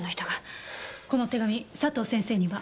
この手紙佐藤先生には？